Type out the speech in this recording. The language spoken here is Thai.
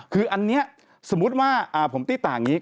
คืออันนี้สมมุติว่าผมตี้ต่างอย่างนี้